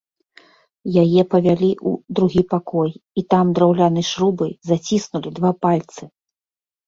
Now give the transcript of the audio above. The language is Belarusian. Яе павялі ў другі пакой і там драўлянай шрубай заціснулі два пальцы.